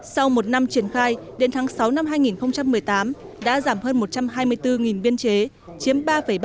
sau một năm triển khai đến tháng sáu năm hai nghìn một mươi tám đã giảm hơn một trăm hai mươi bốn biên chế chiếm ba ba